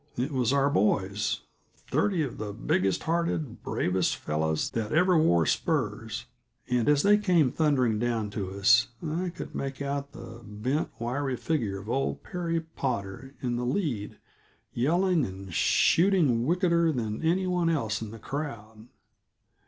It was our boys thirty of the biggest hearted, bravest fellows that ever wore spurs, and, as they came thundering down to us, I could make out the bent, wiry figure of old Perry Potter in the lead, yelling and shooting wickeder than any one else in the crowd.